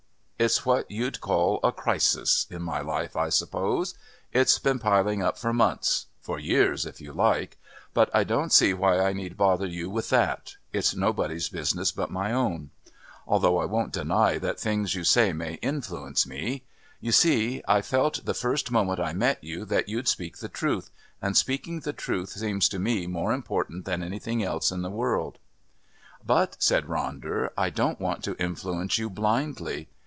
It's what you'd call a crisis in my life, I suppose. It's been piling up for months for years if you like. But I don't see why I need bother you with that it's nobody's business but my own. Although I won't deny that things you say may influence me. You see, I felt the first moment I met you that you'd speak the truth, and speaking the truth seems to me more important than anything else in the world." "But," said Ronder, "I don't want to influence you blindly.